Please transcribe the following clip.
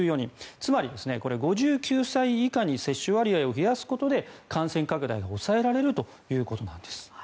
つまり、５９歳以下に接種割合を増やすことで感染拡大を抑えられるということなんです。